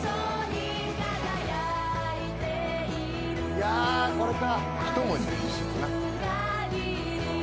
いやこれか。